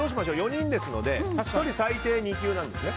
４人ですので１人最低２球なんですね。